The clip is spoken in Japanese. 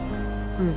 うん。